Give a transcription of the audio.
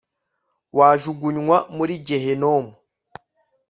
wajugunywa muri gehinomu